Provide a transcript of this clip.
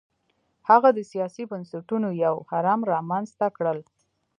هغه د سیاسي بنسټونو یو هرم رامنځته کړل.